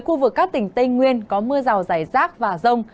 khu vực các tỉnh tây nguyên có mưa rào rải rác và rông